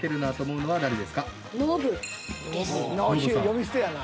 ［呼び捨てやな］